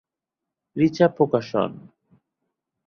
Richa প্রকাশন।